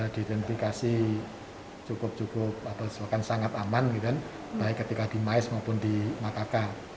diidentifikasi cukup cukup atau bahkan sangat aman baik ketika di mais maupun di makaka